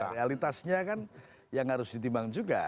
realitasnya kan yang harus ditimbang juga